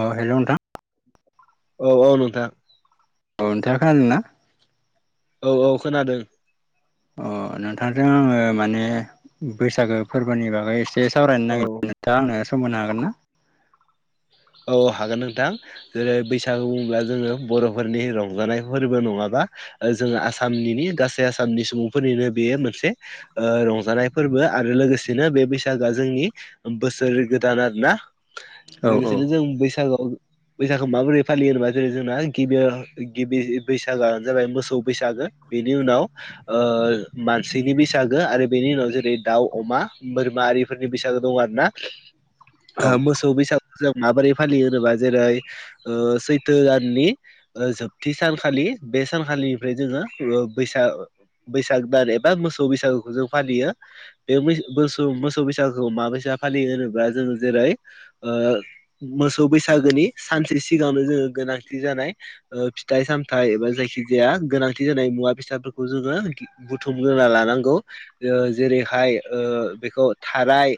अ hello नोंथां। औ औ नोंथां। अ नोंथांङा खोनादोंना? औ औ खोनादों। अ नोंथांजों आङो माने बैसागो फोरबोनि बागै एसे एसे सावरायनो औ नागिरदों नोंथाङा आंनो सम हागोना? औ हागोन नोंथां। जेरै बैसागु बुङोब्ला जोङो बर'फोरनि रंजानाय फोरबो नङाबा ओ जोङो आसामनि गासै आसामनि सुबुंफोरनिनो बेयो मोनसे ओ रंजानाय फोरबो आरो लोगोसेनो बे बैसागोआ जोंनि बोसोर गोदान आरो ना औ औ। जों बैसाग आव बैसागो माबोरै फालियो होनोबा जेरै जोंना गिबि गिबि बैसागोआानो जाबाय मोसौ बैसागो बेनि उनाव ओ मानसिनि बैसागो आरो बेनि उनाव जेरै दाउ अमा बोरमा आरिफोरनि बैसागो दं आरो ना [inaudible] औ ओम मोसौ बैसागु जों माबोरै फालियो होनोब्ला जेरै सैथो दाननि ओ जोबथि सानखालि बे सानखालिनिफ्राय जोङो ओ बैसाग बैसाग दान एबा मोसौ बैसागुखौ जों फालियो। बे मैसो मोसौ बैसागुखौ माबायसे फालियो होनोब्ला जोङो जेरै मोसौ बैसागोनि सानसे सिगांआवनो जोङो गोनांथि जानाय फिथाइ सामथायाइ एबा जायखि जाया गोनांथि जानाय मुवा बेसादफोरखौ जोङो बुथुमग्रोना लानांगौ ओ जेरैहाय ओ बेखौ थाराइ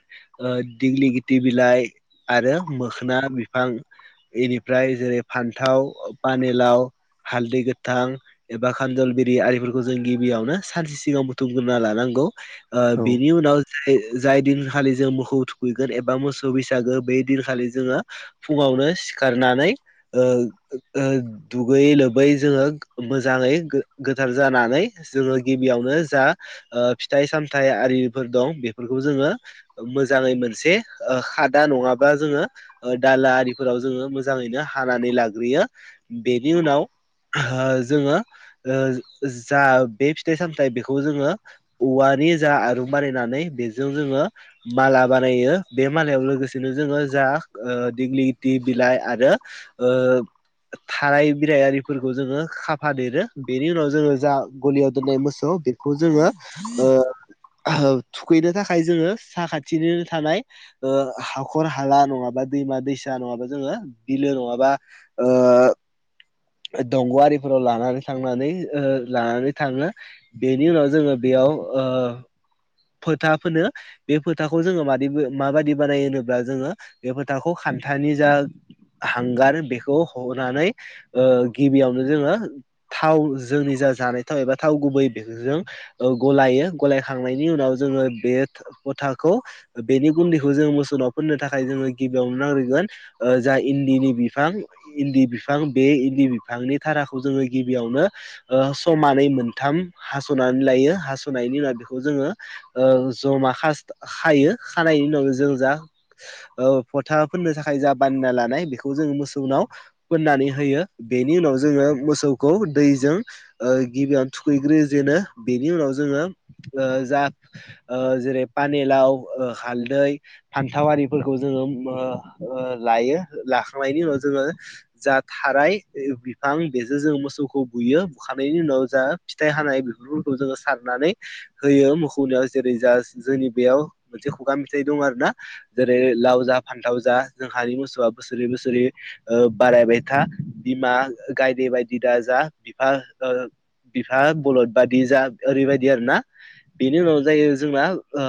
दिग्लि गिथि बिलाइ आरो मोख्ना बिफां बेनिफ्राय जेरै फान्थाव पानिलाव हालदै गोथां एबा खान्दल बिरिफोरखौ जों गिबियावनो सानसे सिगांव बुथुमग्रोना लानांगौ। ओ औ बिनि उनाव जाय-जाय दिनखालि जों मोखौ थुखैगोन एबा मोसौ बैसागो बे दिनखालि जोङो फुङावनो सिखारनानै ओ ओ दुगैयै लोबै जोङो मोजाङै गो गोथार जानानै जोङो गिबियावनो जा ओ फिथाइ सामथाइ आरिफोर दं बेफोरखौ जोङो मोजाङै मोनसे खादा नङाबा बा जोङो दाला आरिफोराव जोङो मोजाङैनो हानानै लाग्रोयो बेनि उनाव हो जोङो ओ जा बे फिथाइ सामथायाइ बेखौ जोङो औवानि जा आरुं बानायनानै बेजों जोङो माला बानायो बे मालायावनो लोगोसेनो जोङो जा ओ दिगलि गथि बिलाइ आरो ओ थाराय बिरायारिफोरखौ जोङो खाफा देरो बेनि उनाव जोङो जा गलियाव दोननाय मोसौ बे खौ जोङो ओ थुखैनो थाखाय जोङो साखथिनिनो थानाय ओ हाख र हाला नङाबा दैमा दैसा नङाबा जोङो बिलो नङाबा ओ दंग'आरिफोराव लानानै थांनानै ओ लानानै थाङो। बेनि उनाव जोङो बेयाव ओ फोथा फोनो बे फोथाखौ जोङो मादि माबायदि बानायो होनो बा जोङो बे फोथाखौ खान्थानि जा हांगार बेखौ हनानै ओ गिबियावनो जोङो थाव जों निजा जानायथाव एबा जानायथाव गुबै बेजों ओ गलायो गलायखांनायनि उनाव जोङो बे फथाखौ बेनि गुन्दैखौ जोङो मोसौनाव फोननो थाखाय जोङो गिबियावनो नांग्रोगोन ओ जा इन्दिनि बिफां इन्दि बिफां बे इन्दि बिफांनि थाराखौ जोङो गिबियावनो ओ समानै मोनथाम हास'नानै लायो हास'नायनि उनाव बेखौ जोङो ओ जमा खायो खानायनि उनाव जों जा ओ फथा फोननो थाखाय जा बानायना लानाय बेखौ जोङो मोसौनाव फोननानै होयो बेनि उनाव जोङो मोसौखौ दैजों ओ गिबियावनो थुखैग्रो जेनो बेनि उनाव जोङो ओ जा ओ जेरै पानिलाव ओ हाल्दै फान्थाव आरिफोरखौ जोङो ओ ओ लायो लाखांनायनि उनाव जोङो जा थाराइ बिफां बेजों जों मोसौखौ बुयो बुखांनायनि उनाव जा फिथाइ हानाय बेफोरखौ जोङो सारनानै होयो मोखौनायाव जेरै जा जोंनि बेयाव मोनसे खुगा मेथाइ दं आरो ना जेरै लावजा फान्थावजा जोंहानि मोसौआ बोसोरै बोसोरै ओ बारायबाय था बिमा गायदे बायदि दा जा बिफा ओ बिफा बलद बादि जा ओरैबायदि आरो ना बेनि उनाव जायो जोंना ओ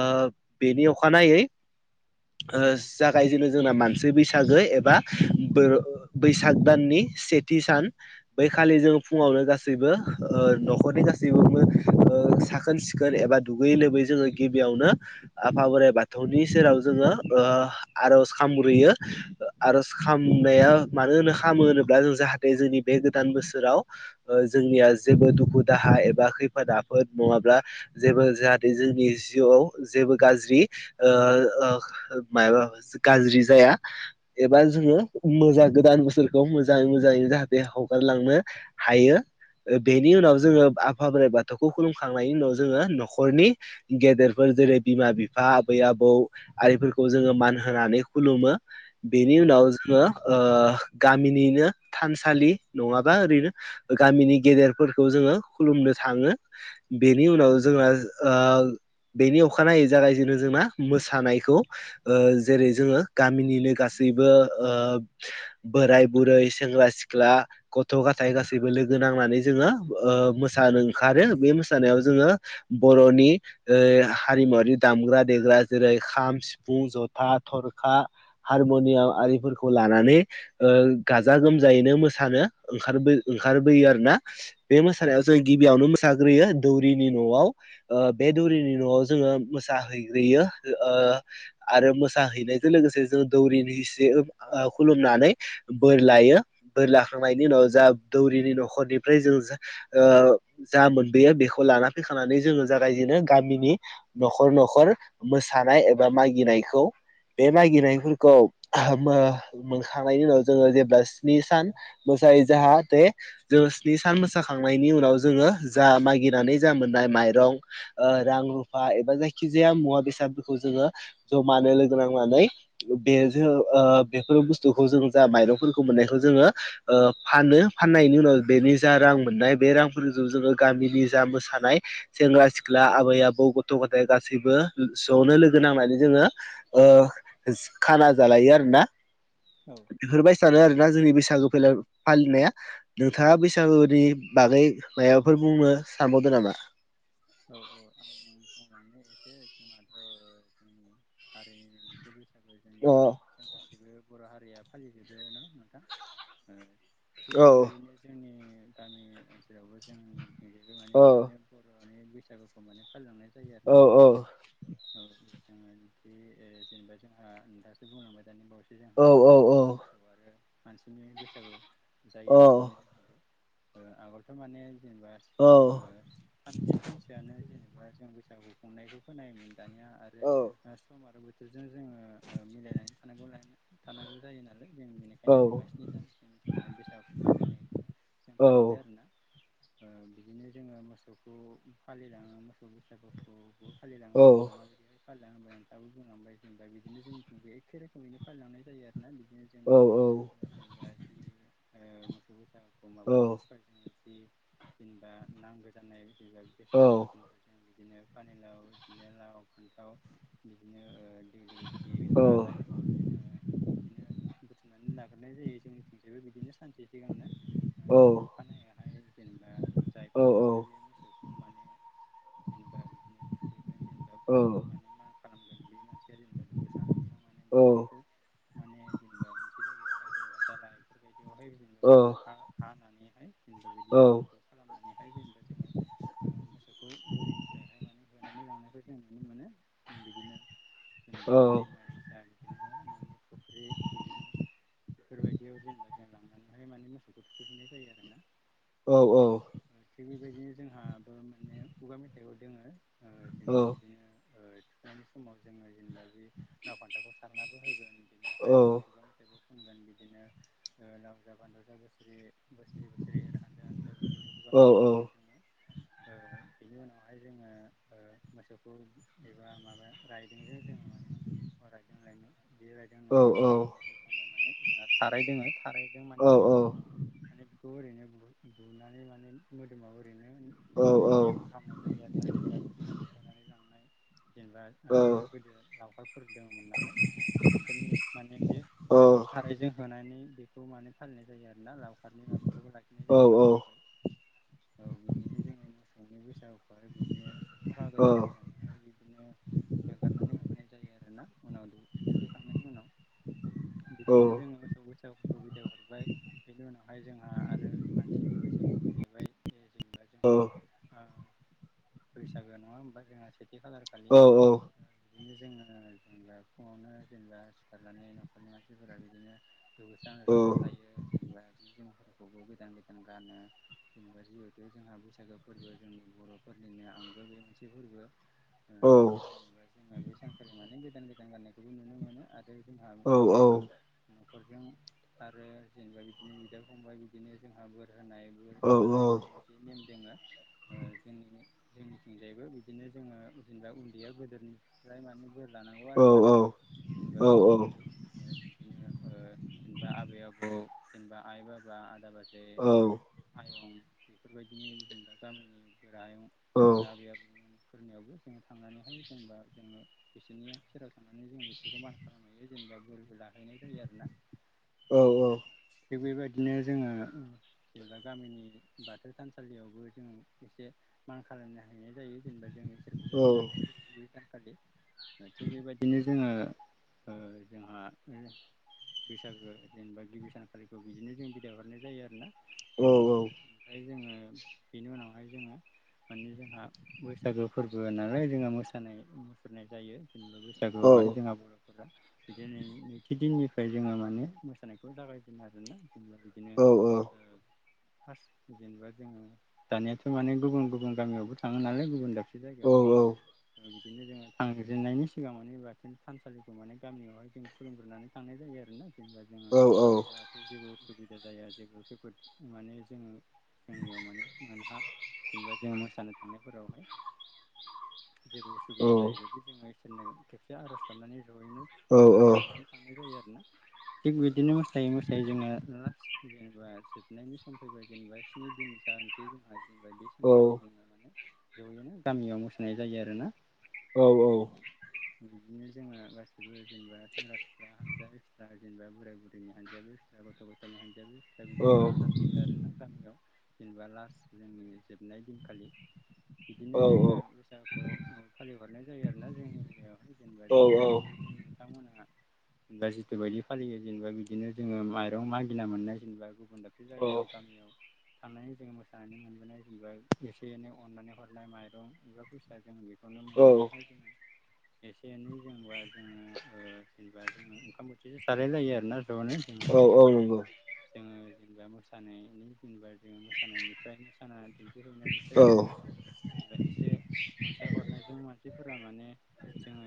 बेनि अखानायै ओ जागायजेनो जोंना मानसि बैसागो एबा बो बैसाग दाननि से थि सान बैखालि जों फुङावनो गासैबो ओ न'खरनि गासैबो ओ साखोन सिखोन एबा दुगै लोबै जोङो गिबियावनो आफा बोराइ बाथौनि सेराव जोङो ओ आरज खामग्रोयो। आर'ज खामनाया मानो होनो खामो होनोब्ला जों जाहाथे बे गोदान बोसोराव ओ जोंनिया जेबो दुखु दाहा एबा खैफोद आफोद नङाब्ला जेबो जाहाथे जोंनि जिउआव जेबो गाज्रि ओ ओ मायबा फोसो गाज्रि जाया एबा जोङो मोजा गोदान बोसोरखौ मोजां मोजाङै जाहाथे हगारलांनो हायो। ओ बेनि उनाव जोङो आफा बोराइ बाथौखौ खुलुमखांनायनि उनाव जोङो न'खरनि गेदेरफोर जेरै बिमा-बिफा आबै-आबौ आरिफोरखौ जोङो मान होनानै खुलुमो बेनि उनाव जोङो ओ गामिनिनो थानसालि नङाबा ओरैनो गामिनि गेदेरफोरखौ जोङो खुलुमनो थाङो। बेनि उनाव जोंहा ओ बेनि अखानायै जागायजेनो जोंना मोसानाय खौ ओ जेरै जोङो गामिनिनो गासैबो ओ बोराय बुरै, सेंग्रा सिख्ला गथ' गाथाय गासैबो लोगो नांनानै जोङो ओ मोसानो खारो बे मोसानायाव जोङो बर'नि ओ हारिमुवारि दामग्रा देग्रा जेरै खाम सिफुं, जथा, थरखा, हारम'नियाम आरिफोरखौ लानानै ओ गाजा गोमजायैनो मोसानो ओंखारबो ओंखारबोयो आरो ना। बे मोसानायाव जों गिबियावनो मोसाग्रोयो दौरिनि न'आव ओ बे दौरिनि न'आव जोङो मोसाहैग्रोयो ओ आरो मोसाहैनायजों लोगोसे जों दौरिनि एसे ओ खुलुमनानै बोर लायो बोर लाखांनायनि उनाव जा दौरिनि न'खरनिफ्राय जों जा ओ जा मोनबोयो बेखौ लाना फैखानानै जोङो जागायजेनो गामिनि न'खर न'खर मोसानाय एबा मागिनायखौ। बे मानिनाय फोरखौ मो-मोनखांनायनि उनाव जेब्ला स्नि सान मोसायो जाहाथे जोङो स्नि सान मोसाखांनायनि उनाव जोङो जा मागिनानै जा मोननाय माइरं ओ रां रुफा एबा जायखिजाया मुवा बेसादफोरखौ जोङो जमानो लोगो नांनानै बे जो ओ बेफोर बुस्थुखौ जों जा माइरंफोरखौ मोननायखौ जोङो ओ फानो फाननायनि उनाव बेनि जा रां मोननाय बे रांफोरजों जोङो गामिनि जा मोसानाय सेंग्रा सिख्ला आबै आबौ गथ' गथाय गासिबो ज'नो लोगो नांनानै जोङो ओ खाना जालायो आरो ना। औ बेफोरबायसा नो आरो ना जोंनि बैसागु फोलेर फालिनाया। नोंथाङा बैसागुनि बागै मायाफोर बुंनो सानबावदों नामा? औ औ आं ओं [unintelligible] एसे जोंहाथ' जोंनि हारिनि मोनसे बैसागु जों अह जों गाैसिबो बर' हारिया फालिजोबो ना नोंथां ओ थिग औ बेबायदिनो जोंनि गामि ओनसोलावबो जोंनिथिंबो माने औ बिदिनो बर'नि बैसागु माने फालिलांनाय जायो आरो औ ना। औ जोङो जे ओ जेनेबा जोंहा दासो बुंलांबाय दानि बावैसो औ जोंहा मान औ मोसौ आरो मानसिनि बैसागु जायो बिदिनो जोंहाबो ओ आगोलथ' माने जेनेबा ओ औ थामजि दिनसोआनो जेनेबा जों बैसागु खुंनायखौ खोनायोमोन दानिया आरो औ आरो सम आरो बोथोरजों जोङो ओ मिलायनानै थानांगौ नालाय थानांगौ जायो नालाय जों बेनिखायनो औ जोङो स्नि दानसिम जोङो बैसागुखौ फालिनायखौ जों औ खालामबाय आरोना। ओ बिदिनो जोङो मोसौखौ फालिलाङो मोसौ बोसागु खौबो फालिलाङो जेनेबा माबायदि फालिलाङो होनबाय नोंथाङाबो बुंलांबाय जेनबा बिदिनो जोंनिजाय एखे रोखोमैनो फालिलांनाय जायो आरोना बिदिनो। जोङो जेनबा जि ओ मोसौ बैसागोखौ माबानो थाखाय जि जेनेबा नांगो जानाय जेनेबा बेसाद [unintelligible] बिदिनो पानिलाव बिदिनो लाव फान्थाव बिदिनो ओ दिगिलिथि खौ जोङो बिदिनो बुथुमनानै लाग्रोनाय जायो जोंनिथिंजायबो बिदिनो सानसे सिगांनो। बिनि औ। अखानायैहाय जेनेबा जायग्रा मोनसिया बे मोसौ माने जेनेबा बिदिनो जेनेबा औ। मा खालामगोन बे मानसिया जेनेबा दुगैस्रां लोबस्रां माने बेफोरखौ माने जेनेबा मोनसे जायगायावहाय जेनेबा दालाइ बेफोरबायदियावहाय जोङो हा-हानानैहाय जेनेबा बिदि जहरखौ खालामनानैहाय जेनेबा जोङो मोसौखौ गलिनिफ्रायहाय माने होनानै लांनायखौ जों नुनो मोनो। बिदिनो जेनबा दैमा दैसा बिदिनो न'नि फुख्रि बिदिनो बेफोरबायदियाव जेनेबा जों लांनानैहाय माने मोसौखौ थुखोहैनाय जायो आरो ना। औ औ। थिग बेबायदिनो जोंहाबो माने खुगा मेथाइयाव दोङो। ओ जेनेबा बिदिनो ओ थुखैनायनि समाव जोङो जेनेबा बे लाव फान्थावखौ सारनबो होगोन बेनिफ्राय जोंनो गोबां मेथाइबो खनगोन बिदिनो ओ लावजा फान्थाजा बोसोरै, बोसोरै बोसोरै एर हान्जा हान दा बिदिनो खुगा मेथाइ जोंहा दोङो। ओ बिनि उनावहाय जोङो ओ मोसौखौ एबा माबा राइदोंजों जोङो माने अ' राइदों लायनो बियो राय दों नङा आं बुंफ्लांबाय माने जोंहा थाराइ दोङो थाराइजों माने जोङो माने बेखौ ओरैनो बु-बुनानै माने मोदोमाव ओरैनो नेम खालामनाय जायो आरोना जेनेबा बुनानै होनानै लांनाय, जेनेबा आगोलो गोदो लाव खारफोर दङमोन नालाय, बिसोरनि माने बे थाराइजों होनानै बे खौ माने फालिनाय जायो आरोना। लावखारनि माबाखौबो लाखिनाय जायो मानखौैबो। औ बिदिनो जोङो मोसौनि बैसागुखौहाय बिदिनो फागा गोदान होनानैहाय बिदिनो एंगारनानै होफैनाय जायो आरोना उनाव थुखैखांनायनि उनाव बिदिनो जोङो मोसौ बैसागोखौ बिदाय हरबाय बिनि उनावहाय जोंहा आरो मानसिनि बैसागु फैलायबाय। जेनेबा जोंहा ओ बैसागो नङा होमबा जोंहा सेथि खालार खालि बिदिनो जोङो जेनेबा फुङावनो जेनेबा सिखारनानै न'खरनि मानसिफोरा बिदिनो दुगैस्रां लोबस्रां थायो। जेनबा जि जोमफोरखौबो गोदान गोदान गानो जेनेबा जिहेथु जोंहा बैसागो फोरबो जोंनि बर'फोरनिनो आंगो बे मोनसे फोर्बो। जेनबा जोङो बे सानखालि माने गोदान गोदान गाननायखौबो नुनो मोनो आ बिदिनो जोंहा मोनसे न'खरजों आरो जेनबा बिदिनो बिदा फंबाय बिदिनो जोंहाबो होनायबो लालायनाय बिदि नेम दङ। जोंनि-जोंनिथिंजायबो बिदिनो जोङो जेनेबा उन्दैया गोदोरनिफ्राय माने बोर लानांगौ आरोना जेनेबा बै सानखालि। बिदिनो ओ जेनेबा आबै आबौ जेनेबा आइ बाबा, आदा बाजै जेरै आयं बेफोरबायदिनो जेनबा गामिनि गोरायुं जेनेबा आबै आबौमोनफोरनियावबो जोङो थांनानै हायो जेनेबा जोङो बिसोरनि सेराव थांनानै जों बेसोरखौ मान खालामहायो जेनेबा बोरबो लाहैनाय जायो आरोना। औ औ। थिग बेबायदिनो जोङो जेनेबा गामिनि बाथौ थानसालियावबो जों एसे मान खालामनो हानाय जायो जेनेबा जों इसोरखौबो सिबिहैनाय जायो। बै सानखालि बा थिग बेबायदिनो जोङो ओ जोंहा बैसागो जेनेबा गिबि सानखालिखौ बिदिनो जों बिदाय हरनाय जायो आरोना। जेनेबा ओमफ्राय जोङो बेनि उनावहाय जोङो माने जोंहा बैसागो फोरबो नालाय जोंहा मोसानाय मुसुरनाय जायो। [unintelligible] बैसागोआवहाय माबोरै जोंहा बर' बिदिनो नैथि दिननिफ्राय जोङो माने मोसानायखौ जागायजेनो आरोना [unintelligible] बिदिनो ओ फार्स्ट जेनेबा जोङो दानियाथ' माने गुबुन गुबुन गामियावबो थाङो नालाय गुबुन दाबसे जायगायावबो औ औ औ बिदिनो जोङो थांजेननायनि सिगां माने बाथौ थानसालिखौ माने गामियावहाय जों खुलुमग्रोनानै थांनाय जायो आरोना। जेनेबा औ नंगौ औ जोङो जाहाथे जेबो उसुबिदा जाया जेबो खैफोद माने जोङो जोंनियाव माने [unintelligible] जेनोबा जों मोसानो थांनायफोरावहाय जेबो उसु सुबिदा जायिबादि जोङो इसोरनो खेबसे आर'ज गाबनानै जयैनो आर'ज गाबनानै थांनाय जायो आरोना थिग बिदिनो मोसायै मोसायै जोङो [unintelligible] जेनेबा जोबनायनि सम फैबाय जेनेबा स्नि दिन जानोसै जोंहा जेनेबा बे सानखालि जोङो माने जयैनो गामियाव मोसानाय जायो आरोना। औ औ। बिदिनो जोङो गासिबो जेनेबा सेंग्रा सिख्ला [unintelligible] जेनेबा बोराय बुरिनि हानजाया बे फिसा गथ' गथायनि हानजाया बे [unintelligible] बिदिनो ज' जाफैयो आरो। आरोना गामियाव जेनेबा लास्ट जोंनि जोबनाय दिनखालि। बिदिनो जोङो बैसागुखौ फालिहरनाय जायो आरोना जोंनि एरियायावहाय जेनेबा जों मोनसे बेबायदिनो बिथांमोनहा जेनबा जिथु बायदि फालियो जेनेबा बिदिनो जोङो माइरं मागिना मोननाय जेनेबा गुबुन दाब दाबसे जायगायाव गामियाव थांनानै जोङो मोसा नानै मोनबोनाय जेनेबा एसे एनै अननानै हरनाय माइरं एबा फैसा जों बे खौनो मोननानैहाय जोङो एसे एनै जेनबा जोङो ओ जेनेबा जोङो ओंखाम बोथिसे जालायलायो आरोना जनो जोङो जिहैथु जोङो जेनेबा मोसानायनि जेनेबा जोङो मोसानायनिफ्राय मोसा साना दिन्थिहैनायनिफ्राय जोङो जेनेबा एसे अनसाय हरनायजों मानसिफोरा माने जोङो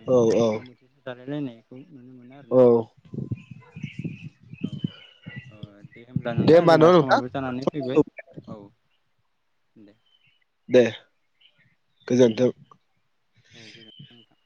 ओंखाम बोथि से जालायलायनायखौ नुनो मोनो औ आरोना। औ औ दे होमब्ला दे नोंथां होमबा न' जोंहा नोंथां समाबो जानानै फैबाय औ। दे। दे गोजोन्थों। औ गोजोनथों नोंथां।